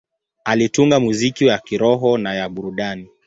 Alitunga muziki ya kiroho na ya burudani.